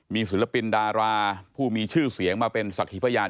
มีศิลปินดาราผู้มีชื่อเสียงมาเป็นสักขีพยาน